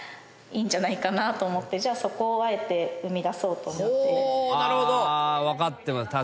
じゃあそこをあえて生みだそうと思って。